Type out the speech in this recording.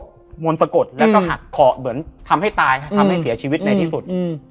มวลสะกดแล้วก็หักขอเหมือนทำให้ตายทำให้เสียชีวิตในที่สุด